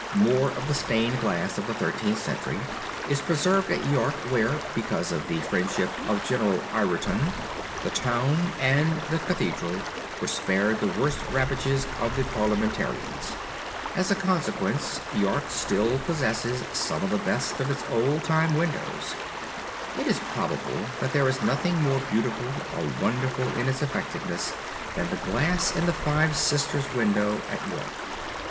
More of the stained glass of the Thirteenth Century is preserved at York where, because of the friendship of General Ireton, the town and the Cathedral were spared the worst ravages of the Parliamentarians. As a consequence York still possesses some of the best of its old time windows. It is probable that there is nothing more beautiful or wonderful in its effectiveness than the glass in the Five Sisters window at York.